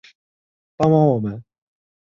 帮帮我们